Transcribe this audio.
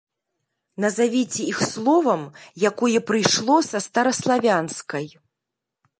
Назавіце іх словам, якое прыйшло са стараславянскай.